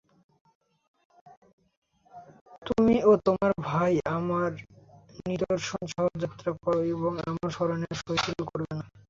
তুমি ও তোমার ভাই আমার নিদর্শনসহ যাত্রা কর এবং আমার স্মরণে শৈথিল্য করবে না।